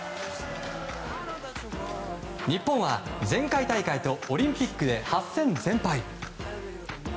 日本は前回大会とオリンピックで８戦全敗。